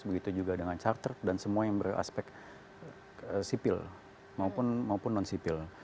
begitu juga dengan charter dan semua yang beraspek sipil maupun non sipil